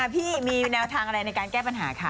พี่มีแนวทางอะไรในการแก้ปัญหาคะ